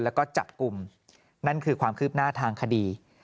แล้วก็จับกลุ่มนั่นคือความคืบหน้าทางคดี